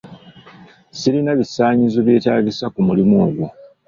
Sirina bisaanyizo byetaagisa ku mulimu ogwo.